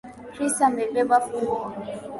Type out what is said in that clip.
Chris amebeba funguo